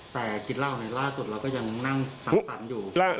แต่กินเหล้าในล่าสุดเราก็ยังนั่งสังสรรค์อยู่